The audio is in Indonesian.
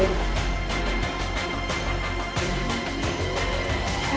kasih dia duit